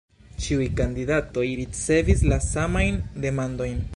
Ĉiuj kandidatoj ricevis la samajn demandojn.